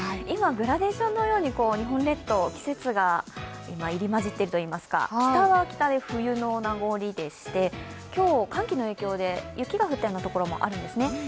今グラデーションのように日本列島、季節が入り交じっているといいますか、北は北で冬の名残でして今日、寒気の影響で雪が降ってる所もあるんですね。